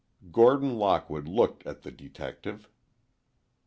Gordon Lockwood looked at the detective.